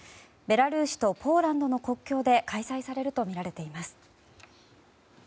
ベラルーシとポーランドの国境で開催されるとみられています。